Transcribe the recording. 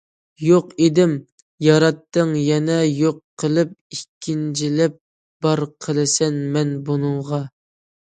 يوق ئىدىم، ياراتتىڭ، يەنە يوق قىلىپ، ئىككىنچىلەپ بار قىلىسەن، مەن بۇنىڭغا.